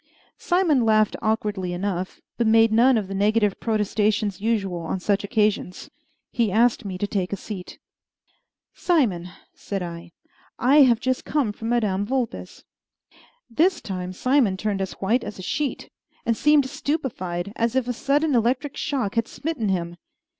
Simon laughed awkwardly enough, but made none of the negative protestations usual on such occasions. He asked me to take a seat. "Simon," said I, "I have just come from Madame Vulpes." This time Simon turned as white as a sheet, and seemed stupefied, as if a sudden electric shock had smitten him.